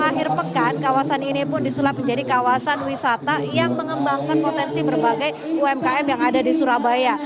akhir pekan kawasan ini pun disulap menjadi kawasan wisata yang mengembangkan potensi berbagai umkm yang ada di surabaya